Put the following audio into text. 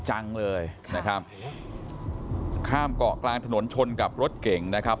จังเลยนะครับข้ามเกาะกลางถนนชนกับรถเก่งนะครับ